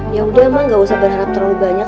yaudah mak gak usah berharap terlalu banyak